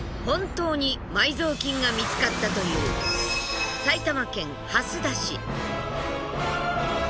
本当に埋蔵金が見つかったという埼玉県蓮田市。